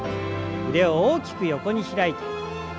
腕を大きく横に開いて。